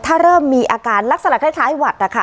ถ้าเริ่มมีอาการลักษณะคล้ายหวัดนะคะ